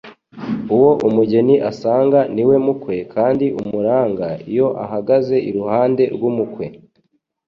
Uwo umugeni asanga niwe mukwe, kandi umuranga, iyo ahagaze iruhande rw'umukwe.